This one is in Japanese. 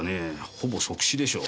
ほぼ即死でしょう。